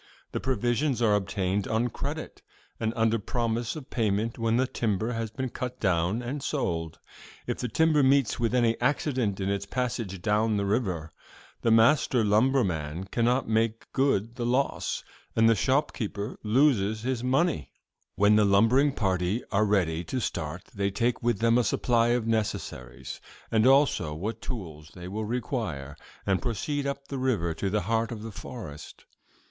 The provisions are obtained on credit and under promise of payment when the timber has been cut down and sold. If the timber meets with any accident in its passage down the river, the master lumberman cannot make good the loss, and the shopkeeper loses his money. "'When the lumbering party are ready to start, they take with them a supply of necessaries, and also what tools they will require, and proceed up the river to the heart of the forest.